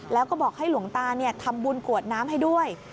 แล้วก็บอกให้หลวงตาทำบุญกรวดน้ำให้ด้วย